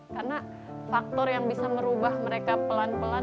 karena faktor yang bisa merubah mereka pelan pelan